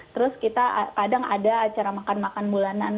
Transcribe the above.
terus kita kadang ada acara makan makan bulanan